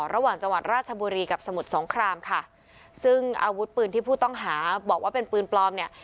ระหว่างจังหวัดราชบุรีกับสมุทรสงครามค่ะซึ่งอาวุธปืนที่ผู้ต้องหาบอกว่าเป็นปืนปลอมเนี่ย